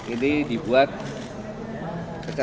ini dibuat kecuali